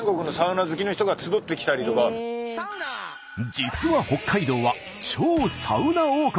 実は北海道は超サウナ王国。